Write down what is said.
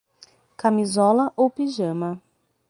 Camisola ou pijama